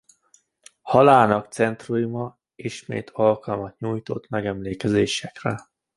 Halálának centenáriuma ismét alkalmat nyújtott megemlékezésekre.